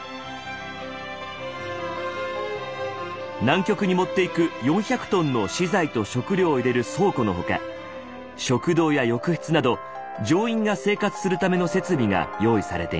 南極に持っていく４００ｔの資材と食料を入れる倉庫の他食堂や浴室など乗員が生活するための設備が用意されていました。